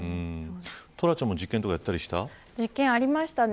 トラちゃんも実験とかやったりしましたか。